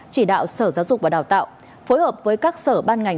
chỉ đạo sở giáo dục và đào tạo phối hợp với các sở ban ngành